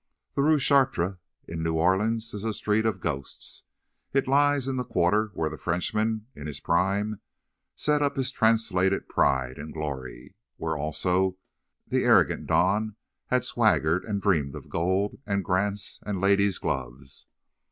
The Rue Chartres, in New Orleans, is a street of ghosts. It lies in the quarter where the Frenchman, in his prime, set up his translated pride and glory; where, also, the arrogant don had swaggered, and dreamed of gold and grants and ladies' gloves.